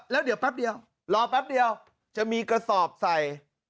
แล้วเดี๋ยวแป๊บเดียวรอแป๊บเดียวจะมีกระสอบใส่